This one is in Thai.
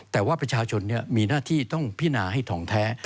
แต่ว่าประชาชนมีหน้าที่ต้องพินาให้ทองแท้